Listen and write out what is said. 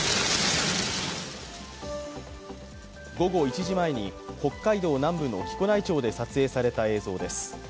午後１時前に北海道南部の木古内町で撮影された映像です。